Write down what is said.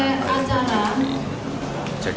kalau sudah selesai acara